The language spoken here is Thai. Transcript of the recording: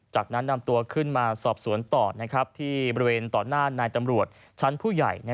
จากนั้นนำตัวขึ้นมาสอบสวนต่อที่บริเวณต่อหน้านายตำรวจชั้นผู้ใหญ่